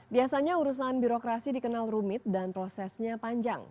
biasanya urusan birokrasi dikenal rumit dan prosesnya panjang